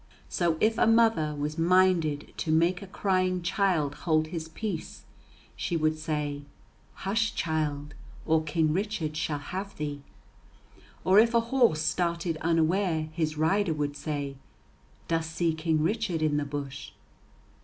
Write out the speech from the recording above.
So if a mother was minded to make a crying child hold his peace, she would say, "Hush, child, or King Richard shall have thee"; or if a horse started unaware, his rider would say, "Dost see King Richard in the bush?"